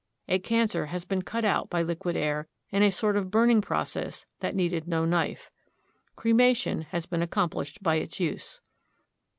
A cancer has been cut out by liquid air in a sort of burning process that needed no knife. Cremation has been accomplished by its use.